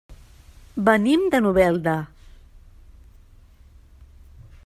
Venim de Novelda.